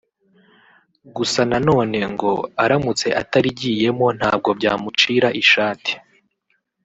gusa na none ngo aramutse atarigiyemo ntabwo byamucira ishati